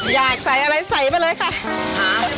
อยากใส่อะไรใส่ไปเลยค่ะ